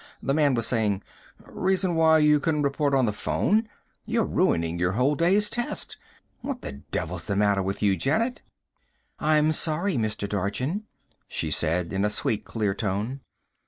The man was saying, " reason why you couldn't report on the phone? You're ruining your whole day's test! What the devil's the matter with you, Janet?" "I'm sorry, Mr. Dorchin," she said in a sweet, clear tone.